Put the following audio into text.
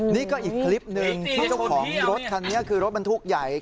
นี่ก็อีกคลิปหนึ่งที่เจ้าของรถคันนี้คือรถบรรทุกใหญ่